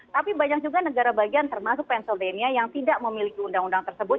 tapi banyak juga negara bagian termasuk pensildemia yang tidak memiliki undang undang tersebut